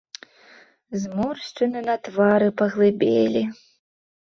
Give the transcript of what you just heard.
Зморшчыны на твары паглыбелі.